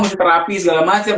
masih terapi segala macem